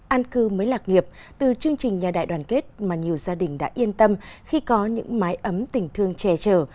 an cư mới lạc nghiệp từ chương trình nhà đại đoàn kết mà nhiều gia đình đã yên tâm khi có những mái ấm tình thương che chở